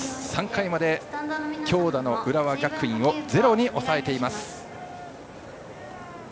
３回まで強打の浦和学院を０に抑えています。